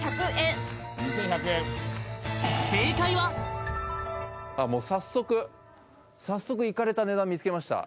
正解はもう早速早速イカれた値段見つけました